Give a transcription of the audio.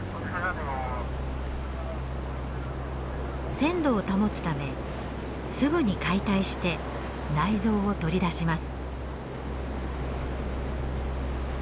鮮度を保つためすぐに解体して内臓を取り出します。